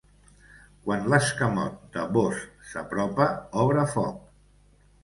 Quan l'escamot de Bozz s'apropa, obre foc.